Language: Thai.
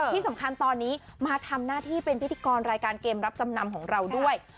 ที่สำคัญตอนนี้มาทำหน้าที่เป็นพิธีกรรายการเกมรับจำนำของเราด้วย